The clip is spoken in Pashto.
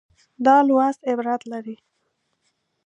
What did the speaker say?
دا لوست عبرت لري.